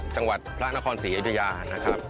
จังหวัดพระนครศรีอยุธยานะครับ